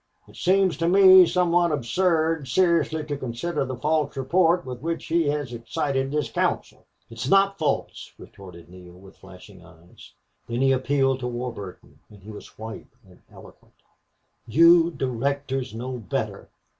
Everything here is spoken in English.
It seems to me somewhat absurd seriously to consider the false report with which he has excited this council." "It's not false," retorted Neale, with flashing eyes. Then he appealed to Warburton and he was white and eloquent. "You directors know better.